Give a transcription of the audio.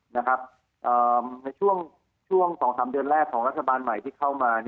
ในช่วง๒๓เดือนแรกของรัฐบาลใหม่ที่เข้ามา